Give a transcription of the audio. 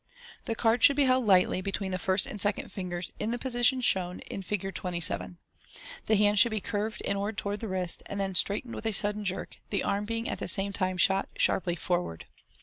The card should be held lightly between the first and second fingers, in the position shown in Fig. 27. The hand should be curved inward toward the wrist, and then straightened with a sudden jerk, ;he arm being at the same time shot sharply forward.